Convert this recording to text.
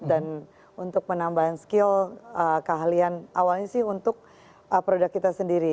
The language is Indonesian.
dan untuk menambah skill keahlian awalnya sih untuk produk kita sendiri